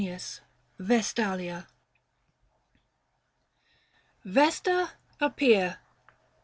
VESTALIA. Vesta, appear